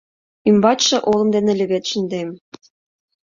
Ӱмбачше олым дене левед шындем.